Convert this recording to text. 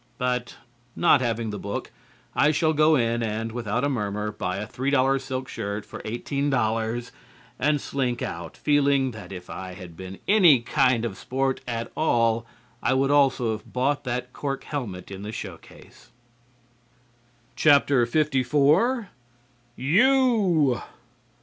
But not having the book, I shall go in and, without a murmur, buy a $3 silk shirt for $18 and slink out feeling that if I had been any kind of sport at all I would also have bought that cork helmet in the showcase. LIV "YOU!"